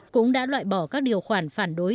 cũng đã loại bỏ các điều khoản phản đối